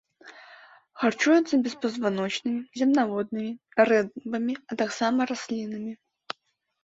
Харчуюцца беспазваночнымі, земнаводнымі, рыбамі, а таксама раслінамі.